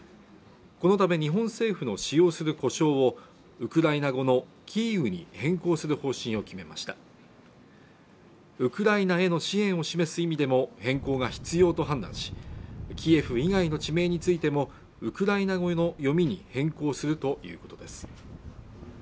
このため日本政府の使用する呼称をウクライナ語のキーウに変更する方針を決めましたウクライナへの支援を示す意味でも変更が必要と判断しキエフ以外の地名についてもウクライナ語読みに変更するということです